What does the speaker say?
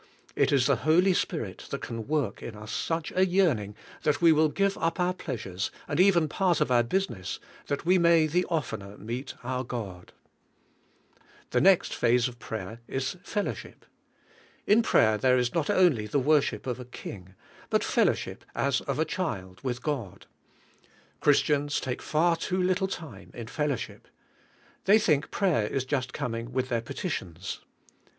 It is the Holy Spirit that can work in us such a yearning that we will give up our pleasures and even part of our busines.^, that we may the oftenermeet our God. The next phase of prayer is fellowship. In prayer there is not only the worship of a king, but fellow ship as of a child with God. Christians take far too little time in fellowship. They think prayer is just coming with their petitions.